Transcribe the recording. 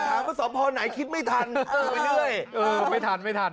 เย็นถามว่าสอบพอไหนคิดไม่ทันเออไม่ทันไม่ทัน